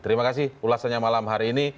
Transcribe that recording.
terima kasih ulasannya malam hari ini